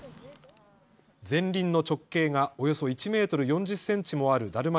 前輪の直径がおよそ１メートル４０センチもあるダルマ